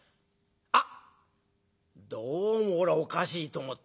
あっどうもおらおかしいと思った。